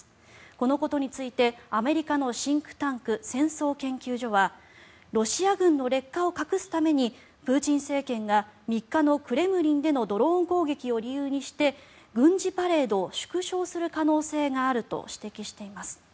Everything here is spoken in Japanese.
このことについてアメリカのシンクタンク戦争研究所はロシア軍の劣化を隠すためにプーチン政権が３日のクレムリンでのドローン攻撃を理由にして軍事パレードを縮小する可能性があると指摘しています。